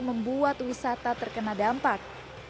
membuat wisata terkena dampak